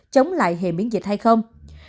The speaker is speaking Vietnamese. chống lại hệ miễn dịch hay không